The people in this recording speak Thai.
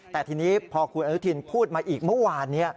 แต่ทีนี้พอคุณอนุทินพูดมาอีกเมื่อวานนี้